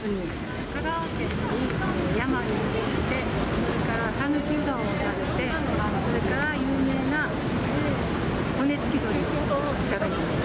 香川県の山に行って、それから、さぬきうどんを食べて、それから有名な骨付き鶏を頂きます。